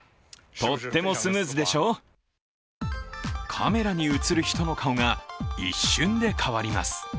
カメラに映る人の顔が一瞬で変わります。